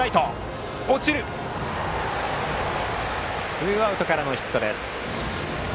ツーアウトからのヒットです。